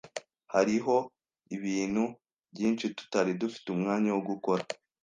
Hariho ibintu byinshi tutari dufite umwanya wo gukora.